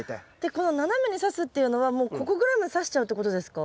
この斜めにさすっていうのはもうここぐらいまでさしちゃうってことですか？